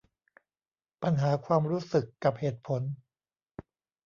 ปัญหาความรู้สึกกับเหตุผล